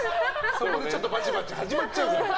そこでバチバチ始まっちゃうから。